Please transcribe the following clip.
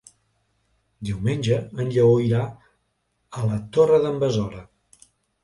Diumenge en Lleó irà a la Torre d'en Besora.